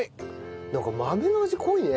なんか豆の味濃いねすごく。